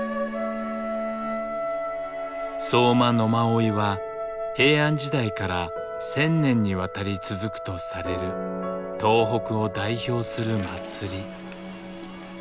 「相馬野馬追」は平安時代から１０００年にわたり続くとされる東北を代表する祭り。